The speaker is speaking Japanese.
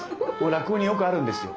落語によくあるんですよ。